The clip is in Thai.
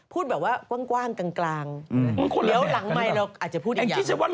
พูดแบบว่ากว้างกลางแล้วหลังไม่เราอาจจะพูดอีกอย่าง